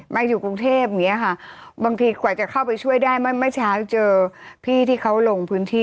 อยู่กรุงเทพอย่างเงี้ยค่ะบางทีกว่าจะเข้าไปช่วยได้เมื่อเช้าเจอพี่ที่เขาลงพื้นที่